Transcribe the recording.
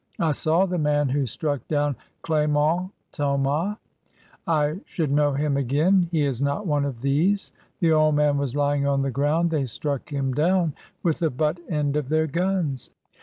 I saw the man who struck down Clement Thomas. I should know him again. He is not one of these. The old man was lying on the ground; they struck him down with the butt end of their guns."